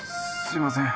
すいません。